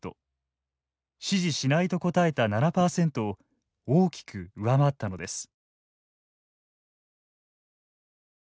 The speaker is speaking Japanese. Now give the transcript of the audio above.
「支持しない」と答えた７％を大きく上回ったのです。